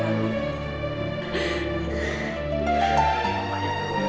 dia gak akan tetapzus tolong nyobanya